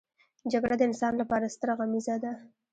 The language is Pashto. جګړه د انسان لپاره ستره غميزه ده